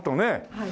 はい。